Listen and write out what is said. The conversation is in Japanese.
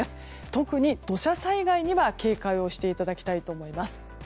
特に土砂災害には警戒をしていただきたいと思います。